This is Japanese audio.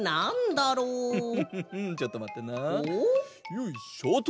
よいしょっと。